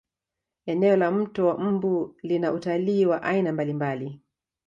eneo la mto wa mbu lina utalii wa aina mbalimbali